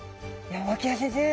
脇谷先生